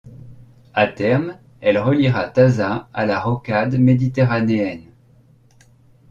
À terme, elle reliera Taza à la Rocade méditerranéenne.